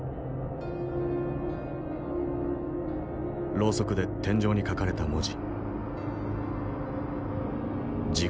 ろうそくで天井に書かれた文字。